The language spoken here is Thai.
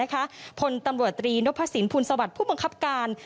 คนตำรวจตรีนพสินภูลสวัสดิ์ผู้บังคับการ